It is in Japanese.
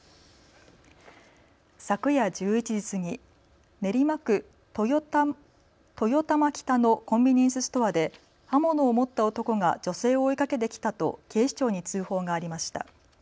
昨夜１１時過ぎ練馬区豊玉北のコンビニエンスストアで刃物を持った男が女性を追いかけてきたと警視庁に通報がありました。